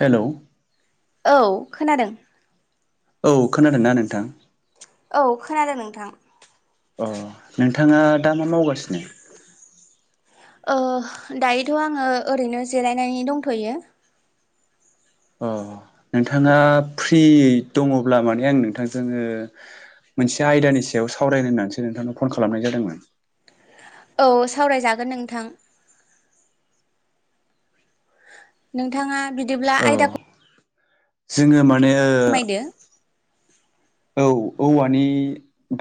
Hello! औ खोनादों। औ खोनादोंना नोंथां? औ खोनादों नोंथां। अ नोंथाङा दा मा मावगासिनो? ओ दायोथ' आङो ओरैनो जिरायनानै दंथ'यो। अ नोंथाङा फ्रि दङब्ला माने आं नोंथांजोङो मोनसे आयदानि सायाव सावरायनोाय होननानैसो नोंथां नाव फन खालामनाय जादोंमोन। औ सावरायजागोन नोंथां। नोंथाङा बिदिब्ला औ आयदाखौ जोङो माने फोरमायदो। औ। औवानि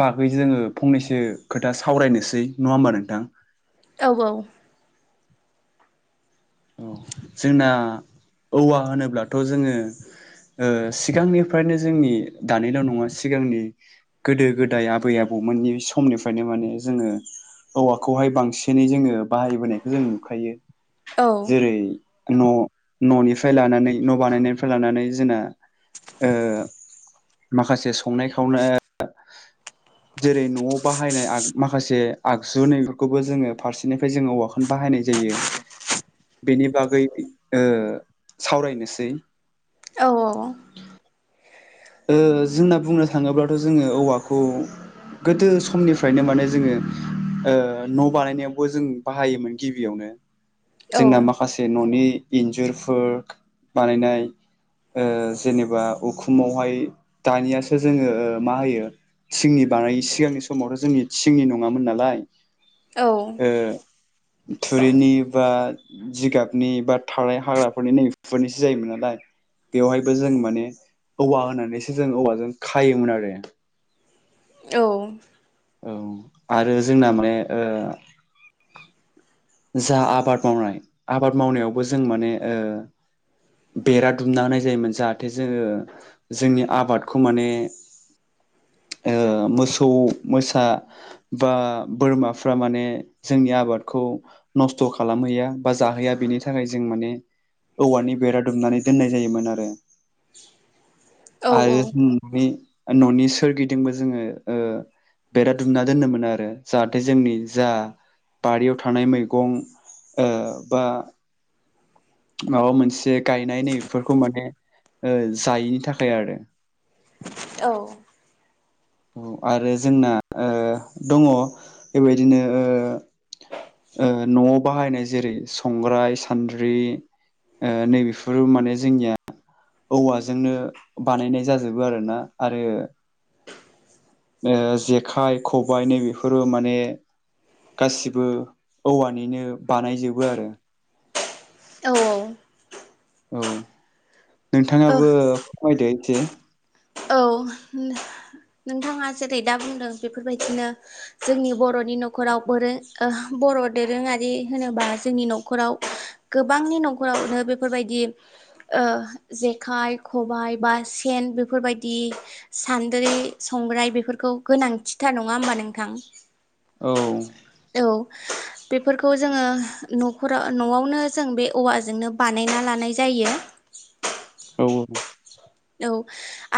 बागै जोङो फंनैसो खोथा सावरायनोसै नङा होमबा नोंथां? औ औ। औ जोंना औवा होनोब्लाथ' जोङो ओ सिगांनिफ्रायनो जोंनि दानिल' नङा सिगांनि गोदो गोदाय आबै आबौ औ मोननि समनिफ्रायनो माने जोङो औवाखौहाय बांसिनै जोङो बाहायबोनायखौ जों नुखायो औ जेरै न' न'निफ्राय लानानै न' बानायनायनिफ्राय लानानै जोना ओ माखासे संनाय खावनाय जेरै न'आव बाहायनाय माखासे आगजु नैफोरखौबो जोङो फारसेनिफ्राय जोङो औवाखौनो बा हायनाय जायो बेनि बागै ओ सावरायनोसै। औ ओ जोंना बुंनो थाङोब्लाथ' जोङो औवाखौ गोदो समनिफ्रायनो माने जोङो न' बानायनायावबो जों बाहायोमोन गिबियावनो। औ जोंना माखासे न'नि इन्जुरफोर बानायनाय ओ जेनेबा उखुमाव हाय दानियासो जोङो मा होयो थिंनि बानायो सिगांनि समावथ' जोंनि थिंनि नङामोन नालाय औ ओ थुरिनि बा जिगाबनि बा थानाय हाग्राफोरनि नैबेफोरनिसो जायोमोन नालाय बेवहायबो जों माने औवा होनानैसो जों औवाजों खायोमोन आरो औ औ आरो जोंना माने जा आबाद मावनाय आबाद मावनायावबो जों माने बेरा दुमना होनाय जायोमोन जाहाथे जोङो जोंनि आबादखौ माने [inaudible] ओ मोसौ मोसा बा बोरमाफ्रा माने जोंनि आबादखौ नस्थ' खालामहैया बा जाहोया बेनि थाखाय जों माने औवानि बेरा दुमनानै दोननाय जायोमोन आरो औ आरो जों न'नि न'नि सोरगिदिंबो जोङो बेराद दुमना दोननो मोन आरो जाहाथे जोंनि जा बारियाव थानाय मै गं ओ बा माबा मोनसे गायनाय नैफोरखौ माने ओ जायैनि थाखाय आरो औ आरो जोंना दङ बेबायदिनो ओ न'आव बाहायनाय जेरै संग्राय सान्द्रि ओनैबेफोर माने जोंनिया औवाजोंनो बानायनाय जाजोबो आरोना आरो जेखाइ खबायाइ नै बेफोरो माने गासिबो औवानिनो बानायजोबो आरो औ औ औ ओ नोंथाङाबो फोरमायदो एसे औ नोंथाङा जेरै दा बुंदों बेफोरबायदिनो जोंनि बर' न'खाव बर' दोरोङारि होनोबा जोंनि न'खराव गोबांनि न'खरावनो बेफोरबायदि जेखाइ खबाय बा सेन बेफोरबायदि बिदि सान्द्रि संग्राय बेफोरखौ गोनांथिथार नङा होमबा नोंथां औ औ बेफोरखौ जोङो न'खरा न'आवनो जों बे औवाजोंनो बानायना लानाय जायो। [inaudible] औ -औ औ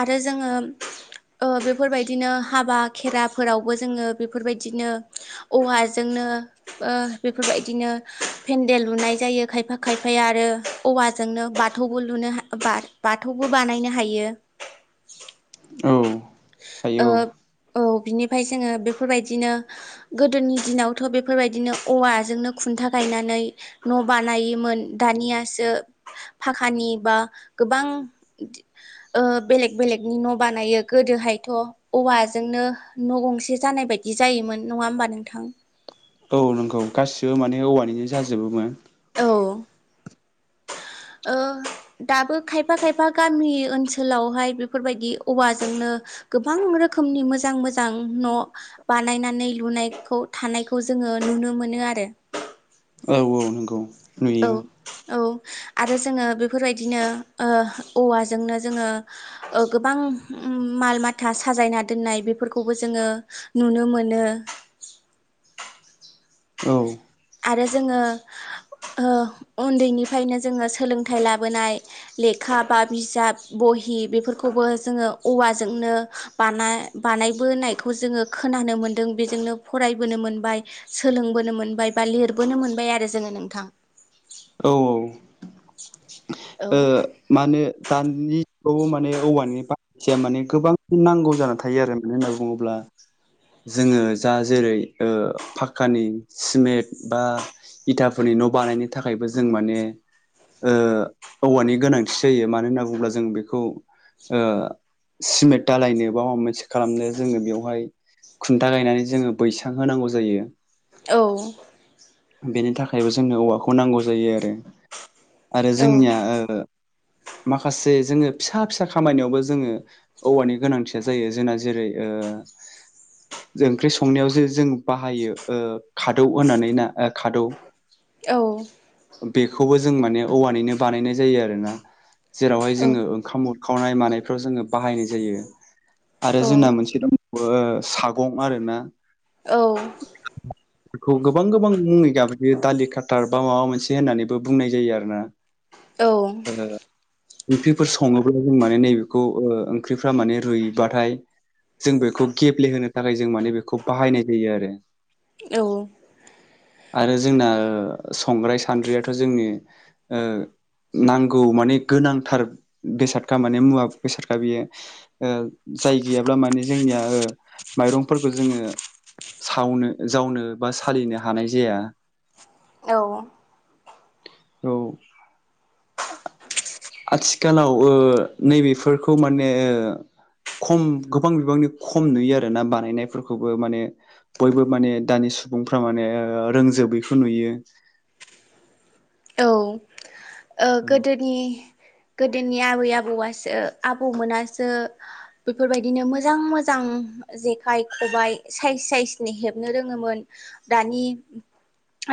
आरो जोङो ओ बेफोरबायदिनो हाबा खेराफोरावबो जोङो बेफोरबायदिनो औवाजों नो ओ बेफोरबायदिनो फेन्देल लुनाय जायो खायफा खायफाया आरो औवा जोंनो बाथौबो लुनो हा बाथौबो बानायनो हायो। औ ओ हायो औ। बिनिफ्राय जोङो बेफोरबायदिनो गोदोनि दिनावथ' बेफोरबायदिनो औवाजोंनो खुन्था गाय नानै न' बानायोमोन दानियासो फाखानि बा गोबां ओ बेलेग बेलेगनि न' बानायो गोदोहाय थ' औवाजोंनो न' गंसे जानाय बायदि जायोमोन नङा होमबा नोंथां औ नंगौ गासिबो माने औवानिनो जाजोबोमोन। औ ओ दाबो खायफा- खायफा गामि ओनसोलावहाय बेफोरबायदि औवाजोंनो गोबां रोखोमनि मोजां मोजां न' बानायनानै लुनायखौ थानायखौ जों ङो नुनो मोनो आरो। औ -औ नंगौ औ नुयो। औ आरो जोङो बेफोरबायदिनो ओ औवाजोंनो जोङो गोबां उम माल माथा साजायना दोननाय बेफोरखौबो जोङो नुनो मोनो। औ आरो जोङो ओ उन्दैनिफायनो जोङो सोलोंथाइ लाबोनाय ले खा बा बिजाब बहि बेफोरखौबो जोङो औवाजोंनो बानाय- बानाय बोनायखौ जोङो खोनानो मोनदों बेजोंनो फरायबोनो मोनबाय सोलोंबोनो मोनबाय बा लिरबोनो मोनबाय आरो जोङो नोंथां। औ औ औ ओ मा होनो दाननि खौबो माने औवानि [inaudible] माने गोबां नांगौ जानानै थायो आरो मानो होनना बुङोब्ला जोङो जा जेरै ओ पाक्कानि सिमेट बा इथाफोरनि न' बानायनो थाखायबो जों माने ओ औवानि गोनांथि जायो मानो होनना बुंब्ला जों बेखौ ओ सिमेट दालायनो बा माबा मोनसे खालामनो जोङो बेवहाय खुन्था गायनानै जोङो बैसां होनांगौ जायो। औ बेनि थाखायबो जोंनो औवाखौ नांगौ जायो आरो आरो औ जोंनिया ओ माखासे जोङो फिसा फिसा खामानिनायावबो जोङो औवानि गोनांथिया जायो जोंना जेरै ओ ओ जों ओंख्रि संनायाव जे जों बाहायो ओ खादौ होननानै ना ओ खादौ औ बेखौबो जों माने औवानिनो बानायनाय जायो आरोना। जेरावहाय औ जोङो ओंखाम उरखावनाय मानायफ्राव जोङो बाहायनाय जायो। आरो जोंना औ मोनसे दंबावो सागं आरोना [inaudible] बेखौ गोबां- गोबां मुङै गाबज्रियो दालि खाथार बा माबा मोनसे होननानैबो बुंनाय जायो आरो ना। औ ओ ओंख्रिफोर सङोब्ला जों माने नै बेखौ ओ ओंख्रिफोरा माने रुयबाथाय जों बेखौ गेब्लेहोनो थाखाय जों माने बेखौ बाहायनाय जायो आरो। आरो जोंना ओ संग्राय सान्द्रियाथ' जोंनि ओ नांगौ माने गोनांथार बेसादखा माने मुवा बेसादखा बियो ओ जाय गैयाब्ला माने जोंनिया माइरंफोरखौ जोङो । सावनो जावनो बा सालिनो हानाय जाया औ औ' आथिखालावबो नैबेफोरखौ माने खम गोबां बिबांनि ख'- - खम नुयो आरोना बानायनायफोरखौबो माने बयबो माने दानि सुबुंफ्रा माने रोंजोब- - बेखौ नुयो औ ओ गोदोनि गोदोनि आबै आबौ आसो आबौमोनासो बेफोरबायदिनो मोजां मोजां ओ जेखाइ खबाइ साइज साइजनि हेबनो रोङोमोन दानि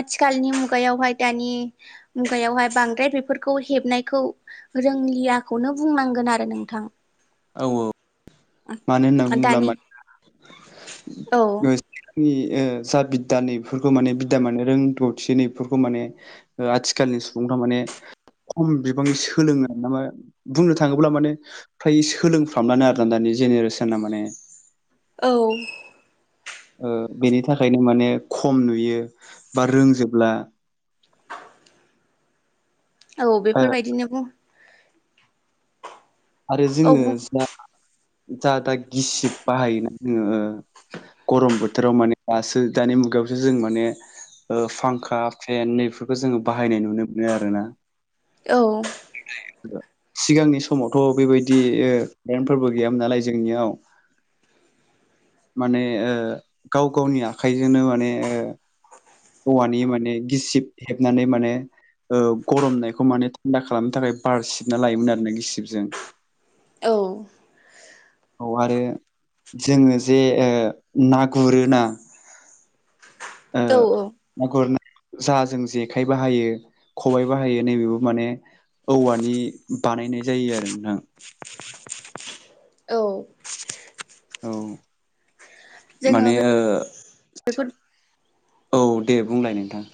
आथिखालनि मुगायावहाय दानि मुगायावहाय बांद्राय बेफोर फोरखौ हेबनायखौ रोंलियाखौनो बुंनांगोन आरो नोंथां औ औ मानो होनना बुङोब्ला दानि औ मानोनि ओ जा बिदा नैफोरखौ माने बिदा माने रोंगौथि नैफोरखौ माने आथिखालनि सुबुं माने खम बिबांनि सोलों ना बुंनो थाङोब्ला माने फ्राय सोलोंफ्रामानो आरोना दानि जेनेरेसना माने औ ओ बेनि थाखायनो माने खम नुयो बा रोंजोबब्ला औ ओ बेफोरबायदिनो बुं आरो औ जोङो बुं जा जा दा गिसिब बाहायोना जोङो गरम बोथोराव माने दासो दानि मुगायावसो जों माने ओ फांखा फेन नैफोरखौ जोङो बाहायनाय नुनो मोनो आरोना औ सिगांनि समाव थ' बेबायदि ओ पेरेन्टफोरबो गैयामोन नालाय जोंनियाव माने ओ गाव गावनि आखाइजोंनो माने औवानि माने गिसिब हेबनानै माने ओ गर'मनायखौ माने थान्दा खालामनो थाखाय बार सिबना लायोमोन आरो ना गिसिबजों औ [inaudible] औ आरो जोङो जे ओ ना गुरोना औ औ जाजों जेखाइ बाहायो खबाइ बाहायो नैबेबो माने औवानि बानायनाय जायो आरो ना थां औ औ जोङो माने बेफोर ओ औ दे बुंलाय नोंथां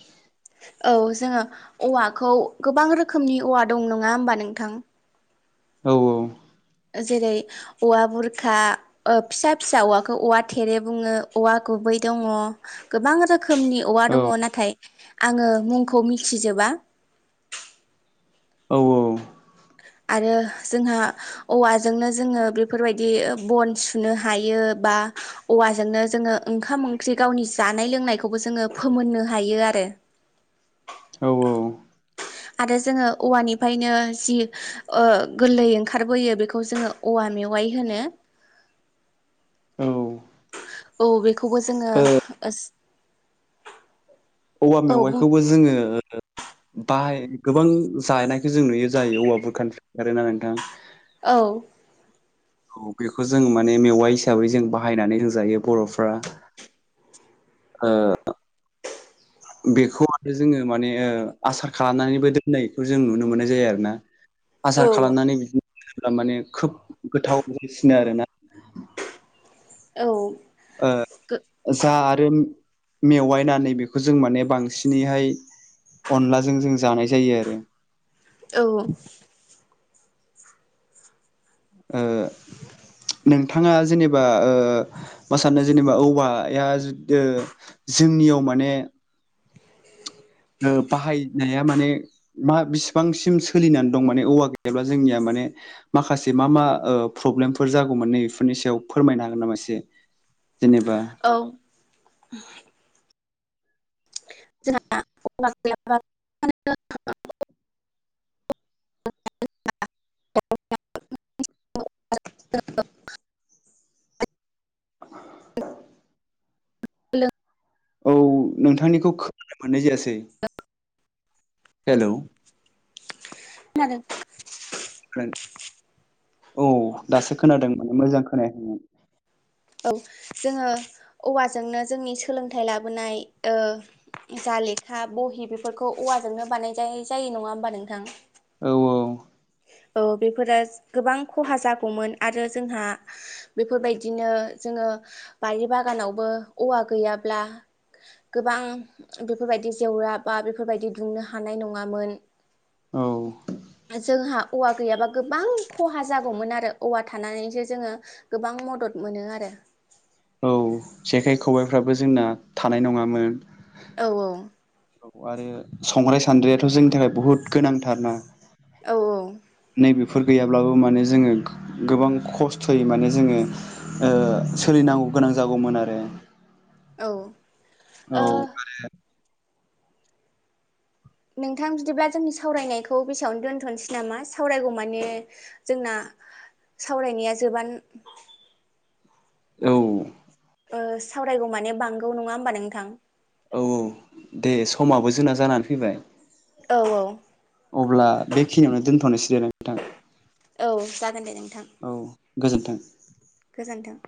औ जोङो औवाखौ गोबां रोखोमनि औवा दं नङा होमबा नोंथां औ औ जेरै औवा बुरखा ओ फिसा फिसा औवाखौ औवा थेरे बुङो औवाखौ बै दङ गोबां रो खोमनि औवा औ दङ नाथाइ आङो मुखौ मिथिजोबा औ औ आरो जोंहा औवाजोंनो जोङो बेफोरबायदि बन सुनो हायो । ओ बा औवाजोंनो जोङो ओंखाम ओंख्रि गावनि जानाय लोंनायखौबो जोङो फोमोननो हायो। [unintelligible] औ औ आरो जोङो औवानिफ्रायनो जि ओ गोरलै ओंखारबोयो बेखौ जोङो औवा मेवाइ होनो। ओ औ बेखौबो जोङो ओ औवा मेवाइखौबो जोङो ओ ओ बाहाय गोबां जानायखो जों नुयो जायो औवाफोर बुरखानिफ्राय आरो ना नोंथां। औ। औ बेखौ जों माने मेवाइ हिसाबै जों बाहायनानै होजायो बर'फ्रा। ओ बेखौ आरो जोङो माने ओ आसार खालामनानैबो दोननायखौ जों नुनो मोननाय जायो आरो ना। औ आसार खालामनानै बिदिनो दोनोब्ला माने खोब गोथाव बायसिनो आरोना। ओ जा आरो मेवायनानै बेखौ जों माने बांसिनैहाय अनलाजों जों जानाय जायो आरो औ ओ नोंथाङा जेनेबा ओ मा सादो जेनेबा औवाया ओ जोंनियाव माने ओ बाहायनाया माने मा बिसिबांसिम सोलिनानै दं माने औवा गैयाब्ला जोंनिया मा माने माखासे मा मा ओ प्रब्लेमफोर जागौमोन नै बेफोरनि सायाव फोरमायनो हागोन नामा एसे? [inaudible] औ [unintelligible] [inaudible] [inaudible] [unintelligible] औ नोंथांनिखौ खोनानो मोननाय जायासै। ओ हेलौ। खोनादों औ दासो खोनादों माने मोजां खोनायाखैमोन। औ जोङो औवाजोंनो जोंनि सोलोंथाइ लाबोनाय ओ जा लेखा बहि बेफोरखौ औवाजोंनो बानायजाय जायो नङा होमबा नोंथां। औ औ। औ बेफोरो गोबां खहा जागौमोन आरो जोंहा बेफोरबायदिनो जोङो ओ बारि बागानावबो औवा गैयाब्ला गोबां बेफोरबायदि जेवरा बा बेफोरबायदि दुंनो हानाय नङामोन। औ जोंहा औवा गैयाबा गोब्बां खहा जागौमोन आरो औवा थानानैसो जोङो गोबां मदद मोनो आरो। औ जेखाइ खबायफ्राबो जोंना थानाय नङामोन। औ औ। औ आरो संग्राय सान्द्रिायाथ' जोंनि थाखाय बुहुद गोनांथारना। औ औ। बिफोर गैयाब्लाबो माने जोङो गो-गोबां खस्थ'यै माने जोङो ओ सोलि नांगौ गोनां जागौमोन आरो। औ। ओ औ आरो नोंथां बिदिब्ला जोंनि सावरायनायखौ बेसेयावनो दोन्थ'नसै नामा सावरायगौ माने जोंना [inaudible] सावरायनाया जोबान औ। ओ सावरायगौ माने बांगौ नङा होम्बा नोंथां? औ औ दे समाबो जोंना जानानै फैबाय। औ औ। अब्ला बेखिनियावनो दोनथ'नोसै दे नोंथां औ जागोन दे नों - औ गोजोन्थों! गोजोनथों